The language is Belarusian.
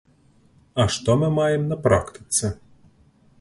А што мы маем на практыцы?